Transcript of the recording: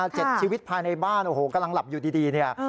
เจ็ดชีวิตภายในบ้านกำลังหลับอยู่ดีเนี่ย